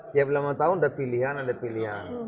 tiap lima tahun ada pilihan ada pilihan